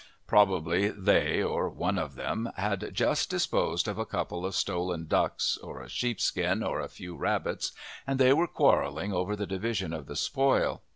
Probably they, or one of them, had just disposed of a couple of stolen ducks, or a sheepskin, or a few rabbits, and they were quarrelling over the division of the spoil.